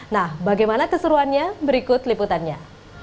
nah bagaimana keseruannya berikut liputannya